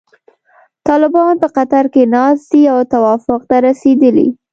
طالبان په قطر کې ناست دي او توافق ته رسیدلي.